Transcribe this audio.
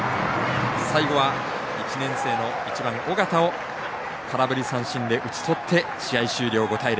最後は１年生の緒方を空振り三振で打ちとって試合終了５対０。